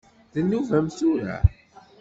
D nnuba-m tura?